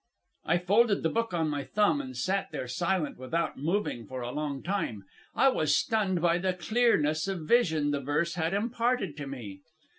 "I folded the book on my thumb and sat there silent and without moving for a long time. I was stunned by the clearness of vision the verse had imparted to me.